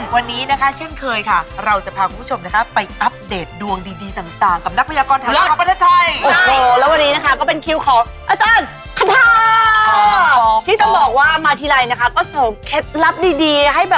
วันนี้นะคะเช่นเคยค่ะเราจะพาคุณผู้ชมนะคะไปอัปเดตดวงดีต่างกับนักพยากรทางเลือกของประเทศไทย